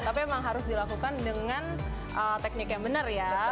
tapi memang harus dilakukan dengan teknik yang benar ya